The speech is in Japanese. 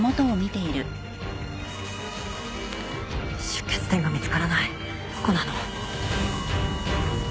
出血点が見つからないどこなの？